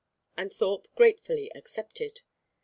And Thorpe gratefully accepted.